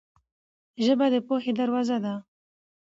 ژبه د پوهې دروازه ده.